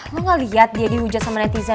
lo gak liat dia dihujat sama netizen abis abisan